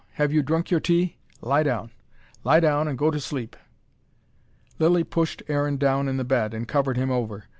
Have you drunk your tea? Lie down. Lie down, and go to sleep." Lilly pushed Aaron down in the bed, and covered him over.